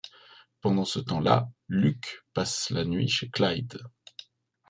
Pendant ce temps là, Luke passe la nuit chez Clyde.